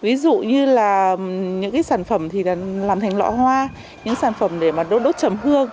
ví dụ như là những sản phẩm làm thành lọ hoa những sản phẩm để đốt chấm hương